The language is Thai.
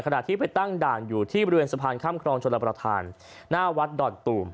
ขณะที่ไปตั้งด่านอยู่ที่บริเวณสะพานข้ามครองชนรับประทานหน้าวัดดอนตูม